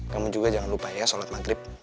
kamu juga jangan lupa ya sholat maghrib